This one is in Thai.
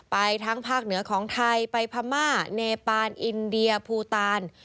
ไปทั้งภาคเหนือของไทยไปพม่าเนปานอินเดียภูตาล